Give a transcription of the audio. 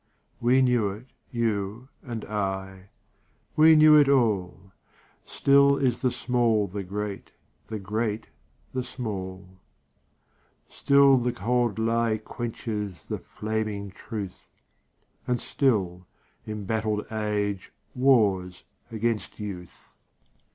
We knew it, you and I, We knew it all: Still is the small the great, The great the small; Still the cold lie quenches The flaming truth, And still embattled age Wars against youth.